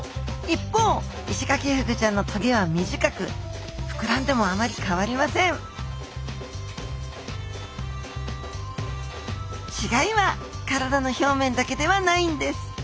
一方イシガキフグちゃんの棘は短く膨らんでもあまり変わりません違いは体の表面だけではないんです。